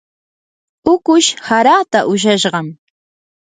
ukush haraata ushashqam.